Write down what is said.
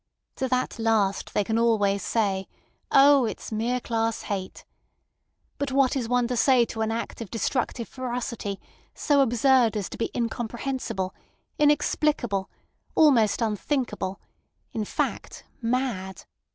To that last they can always say: 'Oh! it's mere class hate.' But what is one to say to an act of destructive ferocity so absurd as to be incomprehensible, inexplicable, almost unthinkable; in fact, mad?